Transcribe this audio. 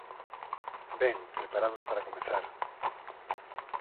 Ben, preparados para comezar.